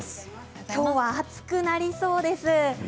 きょうは暑くなりそうです。